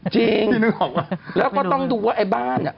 จริงพี่นึกออกว่าแล้วก็ต้องดูว่าไอบ้านอ่ะ